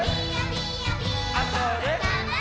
あ、それっ。